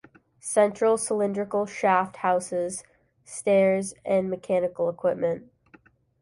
A central cylindrical shaft houses stairs and mechanical equipment.